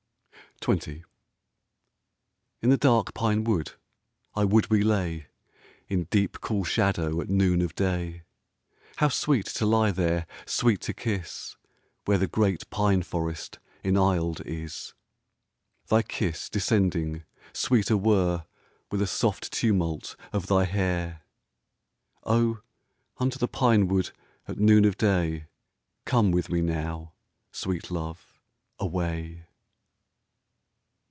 XX In the dark pine wood I would we lay, In deep cool shadow At noon of day. How sweet to lie there, Sweet to kiss, Where the great pine forest Enaisled is ! Thy kiss descending Sweeter were With a soft tumult Of thy hair, O, unto the pine wood At noon of day Come with me now. Sweet love, away.